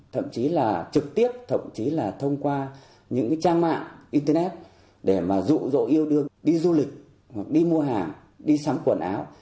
thậm chí là trực tiếp thậm chí là thông qua những cái trang mạng internet để mà rụ rỗ yêu đương đi du lịch hoặc đi mua hàng đi sắm quần áo